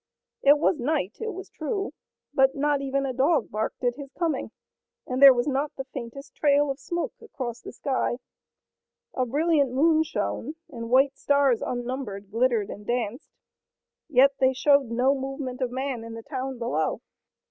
It was night, it was true, but not even a dog barked at his coming, and there was not the faintest trail of smoke across the sky. A brilliant moon shone, and white stars unnumbered glittered and danced, yet they showed no movement of man in the town below.